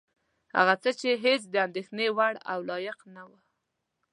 هغه څه چې هېڅ د اندېښنې وړ او لایق نه وه.